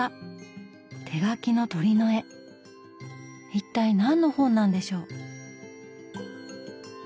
一体何の本なんでしょう。